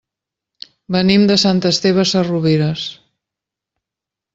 Venim de Sant Esteve Sesrovires.